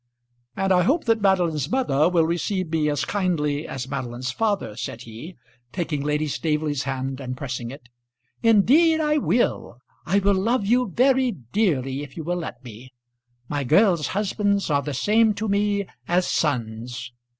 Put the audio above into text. "And I hope that Madeline's mother will receive me as kindly as Madeline's father," said he, taking Lady Staveley's hand and pressing it. "Indeed I will. I will love you very dearly if you will let me. My girls' husbands are the same to me as sons."